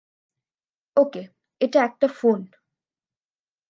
ওকে, এটা একটা ফোন!